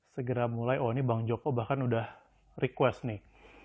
segera mulai oh ini bang joko bahkan udah request nih